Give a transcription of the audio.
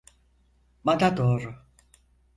Bana doğru.